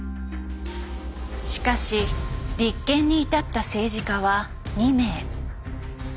しかし立件に至った政治家は２名。